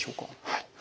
はい。